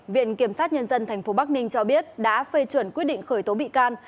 viện kiểm sát nhân dân tp bắc ninh cho biết đã phê chuẩn quyết định khởi tố bị can